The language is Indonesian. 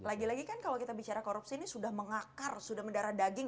lagi lagi kan kalau kita bicara korupsi ini sudah mengakar sudah mendarah daging